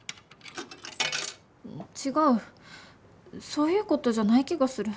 違うそういうことじゃない気がする。